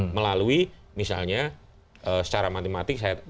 melalui misalnya secara matematik saya katakan tadi